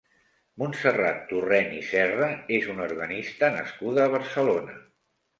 Montserrat Torrent i Serra és una organista nascuda a Barcelona.